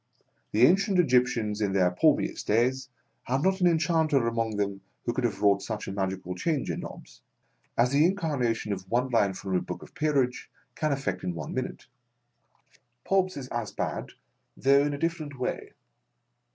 The ancient Egyptians in their palmiest days, had not an enchanter among them who could have wrought such a magical change in Nobbs, as the incarnation of one line from the book of the Peerage can effect in one minute. Pobbs is as bad, though in a different way.